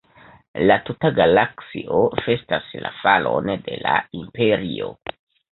La tuta galaksio festas la falon de la Imperio.